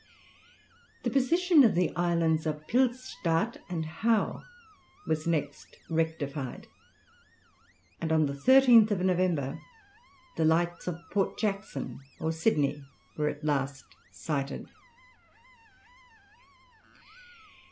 Trans.] The position of the islands of Pylstaart and Howe was next rectified, and on the 13th November the lights of Port Jackson, or Sydney, were at last sighted.